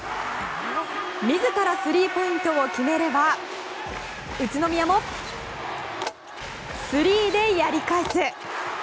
自らスリーポイントを決めれば宇都宮もスリーでやり返す。